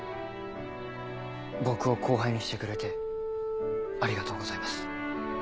僕を後輩にしてくれてありがとうございます。